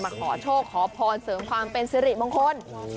ขอโชคขอพรเสริมความเป็นสิริมงคล